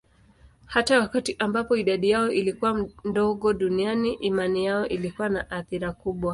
Hata wakati ambapo idadi yao ilikuwa ndogo duniani, imani yao ilikuwa na athira kubwa.